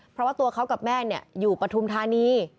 เพราะว่าตัวเขากับแม่อยู่ปฐุมธานี